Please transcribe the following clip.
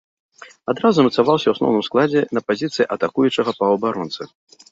Адразу замацаваўся ў асноўным складзе на пазіцыі атакуючага паўабаронцы.